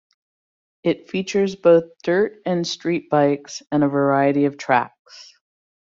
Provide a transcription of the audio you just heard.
It features both dirt and street bikes, and a variety of tracks.